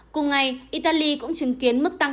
cùng ngày italy cũng chứng kiến mức tăng